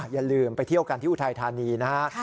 อย่าลืมไปเที่ยวกันที่อุทัยธานีนะฮะ